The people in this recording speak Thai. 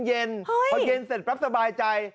เมื่อย่างเย็นเสร็จปั๊บสบายใจ